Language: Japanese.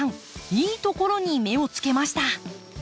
いいところに目をつけました。